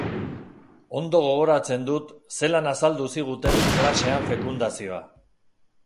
Ondo gogoratzen dut zelan azaldu ziguten klasean fekundazioa.